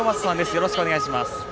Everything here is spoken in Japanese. よろしくお願いします。